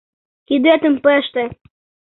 Кидетым пыште.